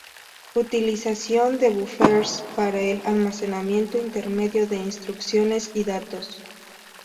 Utilización de buffers para el almacenamiento intermedio de instrucciones y datos.